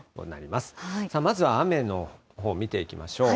まずは雨のほう見ていきましょう。